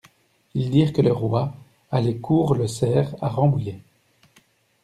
Ils dirent que le Roi allait courre le cerf à Rambouillet.